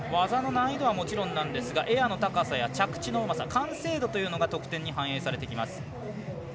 技の難易度はもちろんなんですがエアの高さや着地のうまさ完成度というのが得点に反映されていきます。